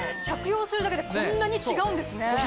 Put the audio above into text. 着用するだけでこんなに違うんですね。